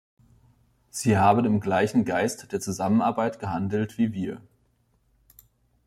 Sie haben im gleichen Geist der Zusammenarbeit gehandelt wie wir.